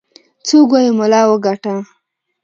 څوك وايي ملا وګاټه.